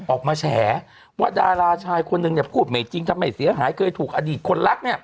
ออกมาแฉว่าดาราชายคนหนึ่งพูดไม่จริงทำไมเสียหายเคยถูกอดีตคนลัก